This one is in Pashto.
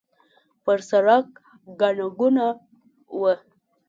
پر سړک ګڼه ګوڼه وه.